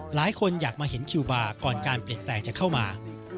หลายคนอยากมาเห็นคิวบาร์ก่อนการเปลี่ยนแปลงจะเข้ามา